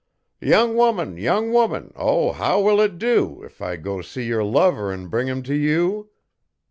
'Young woman, young woman, O how will it dew If I go see yer lover 'n bring 'em t' you?'